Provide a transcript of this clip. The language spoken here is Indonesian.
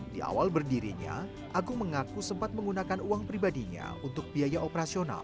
di awal berdirinya agung mengaku sempat menggunakan uang pribadinya untuk biaya operasional